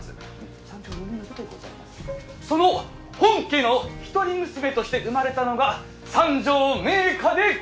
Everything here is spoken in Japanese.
その本家の一人娘として生まれたのが三条明花でございます